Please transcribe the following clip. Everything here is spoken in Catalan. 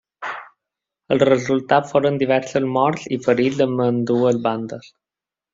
El resultat foren diversos morts i ferits en ambdues bandes.